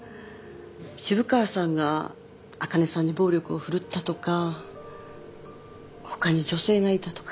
渋川さんがあかねさんに暴力を振るったとか他に女性がいたとか。